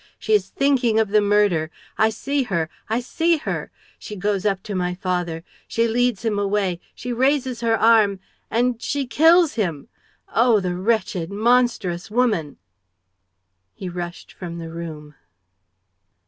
She is thinking of the murder! ... I see her, I see her! ... She goes up to my father ... she leads him away ... she raises her arm ... and she kills him! ... Oh, the wretched, monstrous woman! ..." He rushed from the room.